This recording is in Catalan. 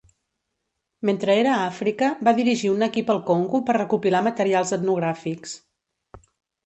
Mentre era a Àfrica, va dirigir un equip al Congo per recopilar materials etnogràfics.